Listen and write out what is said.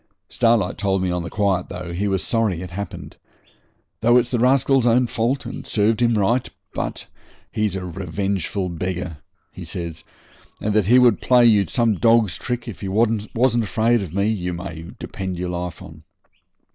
Starlight told me on the quiet, though, he was sorry it happened, 'though it's the rascal's own fault, and served him right. But he's a revengeful beggar,' he says, 'and that he would play you some dog's trick if he wasn't afraid of me, you may depend your life on.'